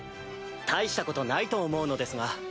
大したことないと思うのですが。